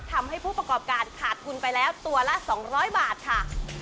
ทำให้ผู้ประกอบการขาดทุนไปแล้วตัวละ๒๐๐บาทค่ะ